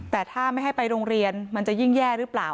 แต่ถ้าไม่ให้ไปโรงเรียนมันจะยิ่งแย่หรือเปล่า